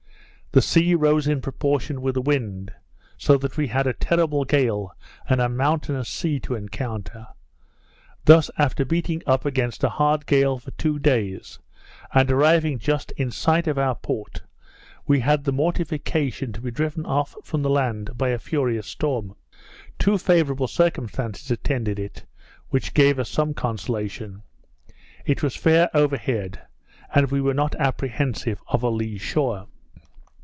The sea rose in proportion with the wind; so that we had a terrible gale and a mountainous sea to encounter. Thus after beating up against a hard gale for two days, and arriving just in sight of our port, we had the mortification to be driven off from the land by a furious storm. Two favourable circumstances attended it, which gave us some consolation; it was fair over head, and we were not apprehensive of a lee shore.